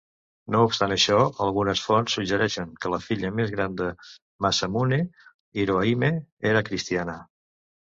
No obstant això, algunes fonts suggereixen que la filla més gran de Masamune, Irohahime, era cristiana.